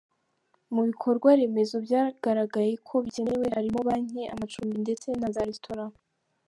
Mu bikorwa remezo byagaragaye ko bikenewe harimo banki, amacumbi ndetse na za restaurant.